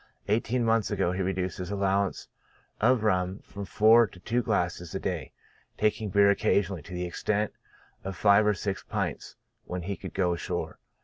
Eighteen months ago he reduced his allowance of rum from four to two glass es a day, taking beer occasionally to the extent of five or six pints when he could go ashore.